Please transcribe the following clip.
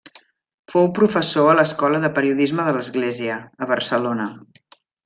Fou professor a l'Escola de Periodisme de l'Església, a Barcelona.